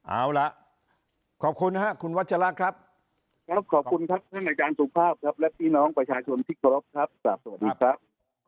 เอาล่ะขอบคุณนะครับคุณวัชระครับครับขอบคุณครับท่านอาจารย์สุภาพครับและพี่น้องประชาชนที่เคารพครับกลับสวัสดีครับ